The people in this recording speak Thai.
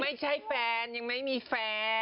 ไม่ใช่แฟนยังไม่มีแฟน